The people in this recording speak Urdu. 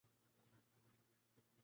وہ غائب تھی۔